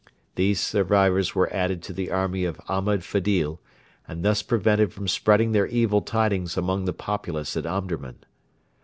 These survivors were added to the army of Ahmed Fedil, and thus prevented from spreading their evil tidings among the populace at Omdurman.